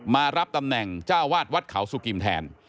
มารับตำแหน่งเจ้าวาดวัดเขาสุกิมแทน